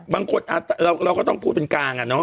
บางคนเราก็ต้องพูดเป็นกลางอ่ะเนาะ